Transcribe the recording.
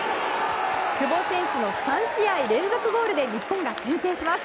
久保選手の３試合連続ゴールで日本が先制します。